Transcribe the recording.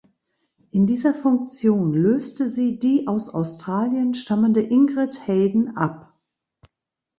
In dieser Funktion löste sie die aus Australien stammende Ingrid Hayden ab.